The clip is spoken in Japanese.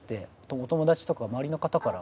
お友達とか周りの方から。